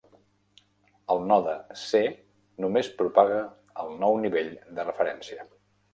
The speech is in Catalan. El node C només propaga el nou nivell de referència.